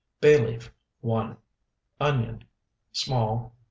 Bay leaf, 1. Onion, small, 1.